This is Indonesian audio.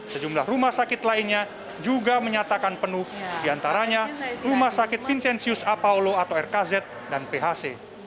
sejumlah rumah sakit lainnya juga menyatakan penuh diantaranya rumah sakit vincenzius apaulo atau rkz dan phc